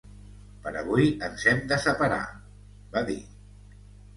'Per avui ens hem de separar', va dir.